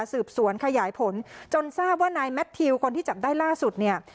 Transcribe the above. สืบสวนขยายผลจนทราบว่านายแมททิวคนที่จับได้ล่าสุดเนี่ย